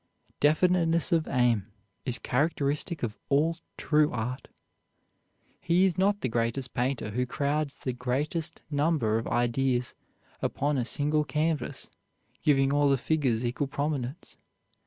Definiteness of aim is characteristic of all true art. He is not the greatest painter who crowds the greatest number of ideas upon a single canvas, giving all the figures equal prominence.